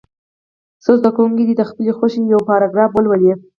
څو زده کوونکي دې د خپلې خوښې یو پاراګراف ولولي.